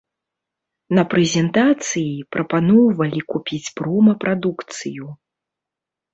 На прэзентацыі прапаноўвалі купіць прома-прадукцыю.